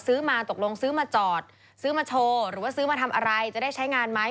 มาตกลงซื้อมาจอดซื้อมาโชว์หรือว่าซื้อมาทำอะไรจะได้ใช้งานไหม